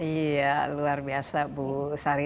iya luar biasa bu sari